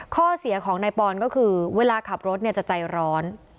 ข้อเสียของนายปอนก็คือเวลาขับรถจะใจร้อน